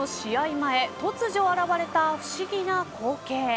前突如、現れた不思議な光景。